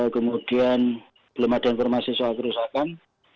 kemudian belum ada informasi soal kerusakan